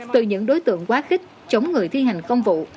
từ những đối tượng quá khích chống người thi hành công vụ